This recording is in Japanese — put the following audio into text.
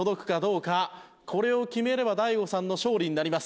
これを決めれば大悟さんの勝利になります。